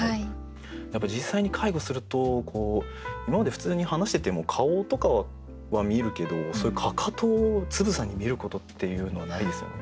やっぱり実際に介護すると今まで普通に話してても顔とかは見えるけどそういうかかとをつぶさに見ることっていうのはないですよね。